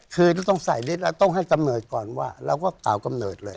คือต้องใส่ฤทธิแล้วต้องให้กำเนิดก่อนว่าเราก็กล่าวกำเนิดเลย